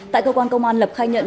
tại cơ quan công an lập khai nhận